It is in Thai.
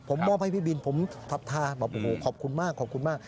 ผมมอบให้พี่บินผมทัทาบอกโอ้โหขอบคุณมากขอบคุณมาก